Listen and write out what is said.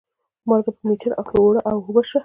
مالګه په مېچن کې اوړه و اوبه شوه.